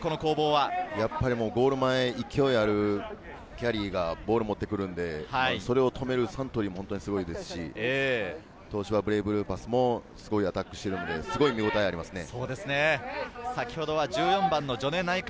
ゴール前、勢いのある、キャリーがボールを持ってくるので、それを止めるサントリーがすごいですし、東芝ブレイブルーパスもすごいアタックをしているので、見応えがありますね。